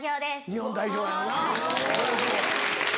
日本代表やよな。